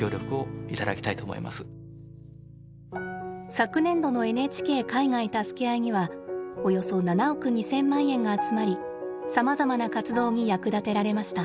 昨年度の「ＮＨＫ海外たすけあい」にはおよそ７億２，０００万円が集まりさまざまな活動に役立てられました。